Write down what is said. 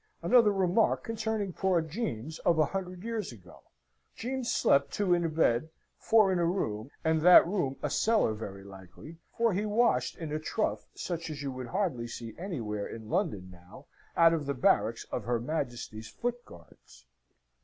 Another remark concerning poor Jeames of a hundred years ago: Jeames slept two in a bed, four in a room, and that room a cellar very likely, and he washed in a trough such as you would hardly see anywhere in London now out of the barracks of her Majesty's Foot Guards.